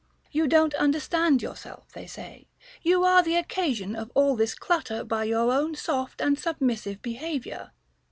You don't understand yourself, say they ; you are the oc casion of all this clutter by your own soft and submissive behavior.